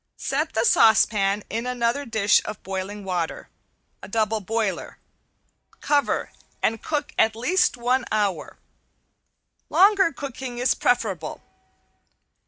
Set the saucepan into another dish of boiling water (double boiler), cover and cook at least one hour. Longer cooking is preferable.